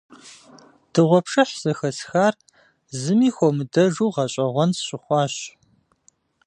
Дыгъуэпшыхь зэхэсхар зыми хуэмыдэжу гъэщӀэгъуэн сщыхъуащ.